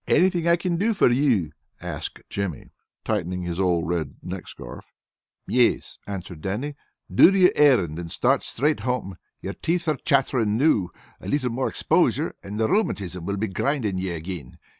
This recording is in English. "Anything I can do for you?" asked Jimmy, tightening his old red neck scarf. "Yes," answered Dannie. "Do your errand and start straight home, your teeth are chattering noo. A little more exposure, and the rheumatism will be grinding ye again.